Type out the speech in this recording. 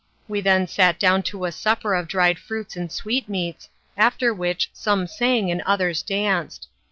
We then sat down to a supper of dried fruits and sweetmeats, after which some sang and others danced.